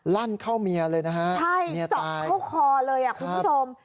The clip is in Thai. ลั่นเข้าเมียเลยนะฮะใช่เจาะเข้าคอเลยอ่ะคุณผู้ชม